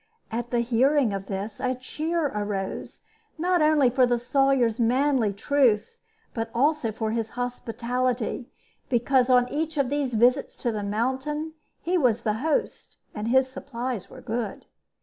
At the hearing of this, a cheer arose, not only for the Sawyer's manly truth, but also for his hospitality; because on each of these visits to the mountain he was the host, and his supplies were good.